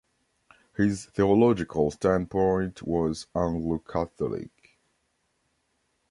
His theological standpoint was Anglo-Catholic.